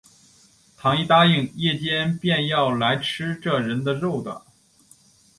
倘一答应，夜间便要来吃这人的肉的